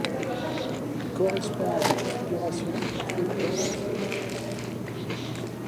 Ils correspondent à des configurations qu'il faut identifier.